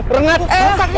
renget eh sakit